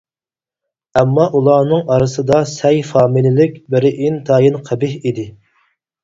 ئەمما ئۇلارنىڭ ئارىسىدا سەي فامىلىلىك بىرى ئىنتايىن قەبىھ ئىدى.